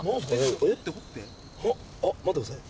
あっ待ってください。